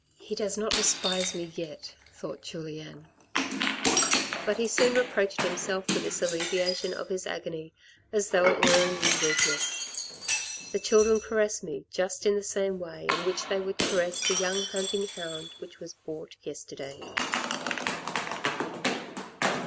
" He does not despise me yet," thought Julien. But he soon 6z THE RED AND THE BLACK reproached himself for this alleviation of his agony as though it were a new weakness. The children caress me just in the same way in which they would caress the young hunting hound which was bought yesterday.